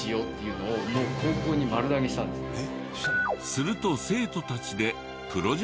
すると。